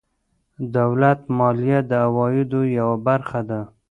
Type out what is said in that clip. دولت مالیه د عوایدو یوه برخه ده.